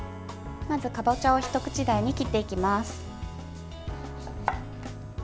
まず、かぼちゃを一口大に切っていきます。